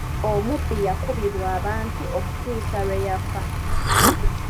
Omubbi yakubibwa abantu okutuusa lwe yafa.